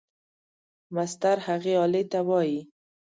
مسطر هغې آلې ته وایي.